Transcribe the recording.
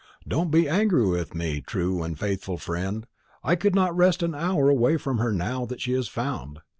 Don't be angry with me, true and faithful friend; I could not rest an hour away from her now that she is found.